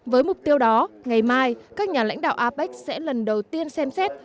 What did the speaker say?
với mục tiêu đó ngày mai các nhà lãnh đạo apec sẽ lần đầu tiên xem xét